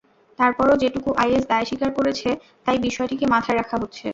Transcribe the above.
তারপরও যেহেতু আইএস দায় স্বীকার করেছে, তাই বিষয়টিকে মাথায় রাখা হচ্ছে।